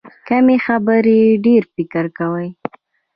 کمې خبرې، ډېر فکر کوي.